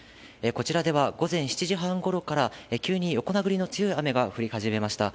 こちらでは、午前７時半ごろから、急に横殴りの強い雨が降り始めました。